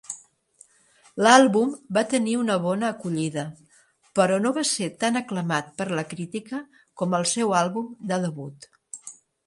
L'àlbum va tenir una bona acollida, però no va ser tan aclamat per la crítica com el seu àlbum de debut.